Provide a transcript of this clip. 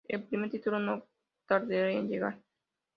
El primer título no tardaría en llegar.